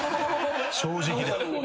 正直だ。